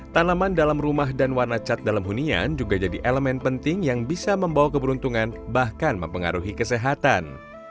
tanaman dalam rumah dan warna cat dalam hunian juga jadi elemen penting yang bisa membawa keberuntungan bahkan mempengaruhi kesehatan